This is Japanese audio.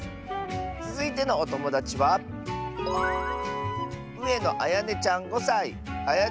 つづいてのおともだちはあやねちゃんの。